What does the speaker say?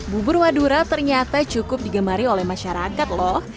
bubur madura ternyata cukup digemari oleh masyarakat loh